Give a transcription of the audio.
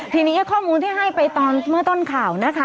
ทีนี้ข้อมูลที่ให้ไปตอนเมื่อต้นข่าวนะคะ